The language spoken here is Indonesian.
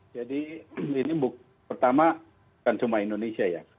jadi ini pertama bukan cuma indonesia ya